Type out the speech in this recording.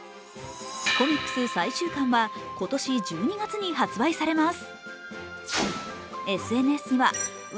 コミックス最終巻は今年１２月に発売されます。